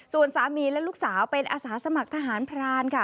ส่วนสามีและลูกสาวเป็นอาสาสมัครทหารพรานค่ะ